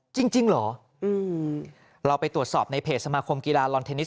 จริงเหรอเราไปตรวจสอบในเพจสมาคมกีฬาลอนเทนนิส